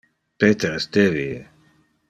Peter es devie.